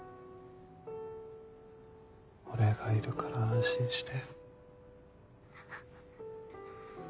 俺がいるから安心して。